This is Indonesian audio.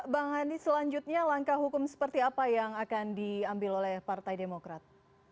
bang andi selanjutnya langkah hukum seperti apa yang akan diambil oleh partai demokrat